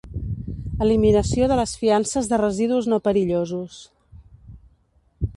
Eliminació de les fiances de residus no perillosos.